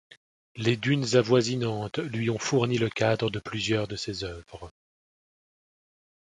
Les dunes avoisinantes lui ont fourni le cadre de plusieurs de ses œuvres.